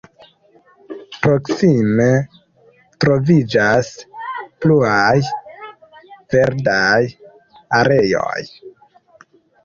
Proksime troviĝas pluaj verdaj areoj.